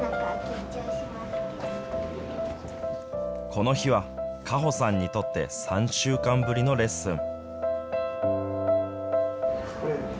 この日は果歩さんにとって３週間ぶりのレッスン。